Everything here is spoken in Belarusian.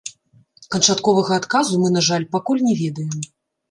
Канчатковага адказу мы, на жаль, пакуль не ведаем.